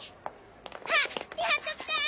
・あっやっと来た！